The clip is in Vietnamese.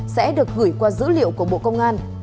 sẽ được gửi qua dữ liệu của bộ công an